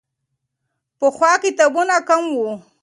پخوا کتابونه کم وو.